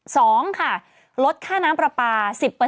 สองค่ะลดค่าน้ำปลาปา๑๐